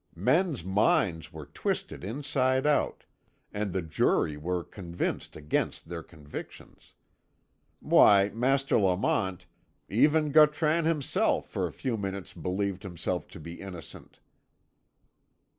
Men's minds were twisted inside out, and the jury were convinced against their convictions. Why, Master Lamont, even Gautran himself for a few minutes believed himself to be innocent!"